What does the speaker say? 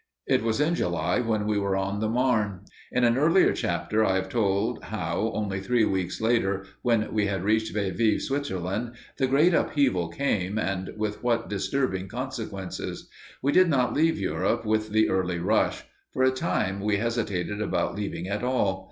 It was in July when we were on the Marne. In an earlier chapter I have told how, only three weeks later, when we had reached Vevey, Switzerland, the "great upheaval" came, and with what disturbing consequences. We did not leave Europe with the early rush. For a time we hesitated about leaving at all.